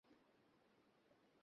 হাঁ মা, বাদল করে ঠাণ্ডা পড়েছে।